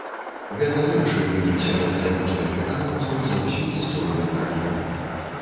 Гэта лепшы вынік сярод замежных выканаўцаў за ўсю гісторыю краіны.